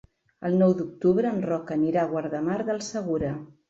El nou d'octubre en Roc anirà a Guardamar del Segura.